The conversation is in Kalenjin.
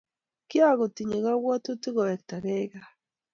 kiakutinye kabwotutik ko wekta kei gaa